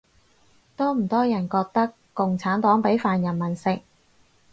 多唔多人覺得共產黨畀飯人民食